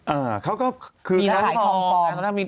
เอ่อเค้าก็คือมีรางทอม